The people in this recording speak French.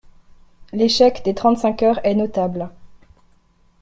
L’échec des trente-cinq heures est notable.